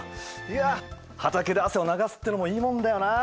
いや畑で汗を流すってのもいいもんだよな。